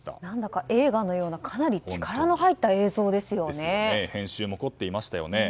何だか映画のようなかなり力の入った編集も凝っていました。